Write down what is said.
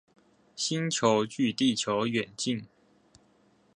星球距地球遠近